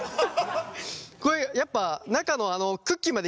これやっぱ中のクッキーまでいきたいよね。